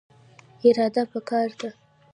اراده پکار ده